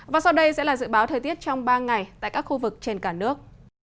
và sau đây sẽ là dự báo thời tiết trong ba ngày tại các khu vực trên cả nước